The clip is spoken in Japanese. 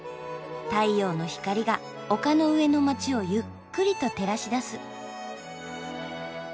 太陽の光が丘の上の街をゆっくりと照らし出す。